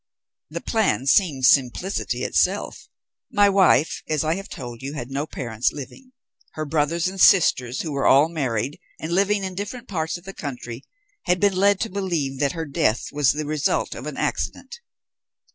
"The plan seemed simplicity itself. My wife, as I have told you, had no parents living. Her brothers and sisters, who were all married and living in different parts of the country, had been led to believe that her death was the result of an accident.